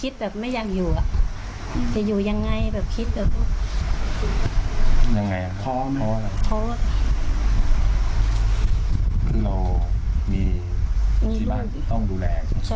ใช่ลูกต้องอยู่ป่าห้า